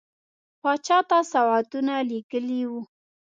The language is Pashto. پاچا ته سوغاتونه لېږلي وه.